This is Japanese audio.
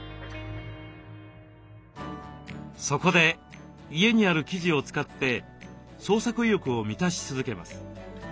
そこで家にある生地を使って創作意欲を満たし続けます。